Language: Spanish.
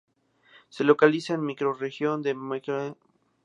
Se localiza en la microrregión de Coelho Neto, mesorregión del Este Maranhense.